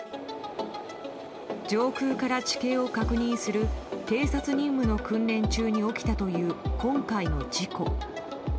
上空から地形を確認する偵察任務の訓練中に起きたという今回の事故。